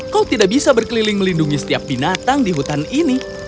kau tidak bisa berkeliling melindungi setiap binatang di hutan ini